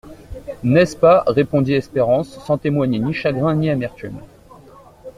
N'est-ce pas ? répondit Espérance, sans témoigner ni chagrin ni amertume.